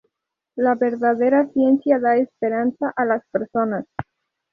La verdadera ciencia da esperanza a las personas.